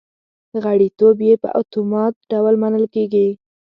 غړیتوب یې په اتومات ډول منل کېږي